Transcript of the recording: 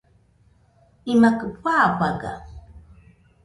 imakɨ fafaga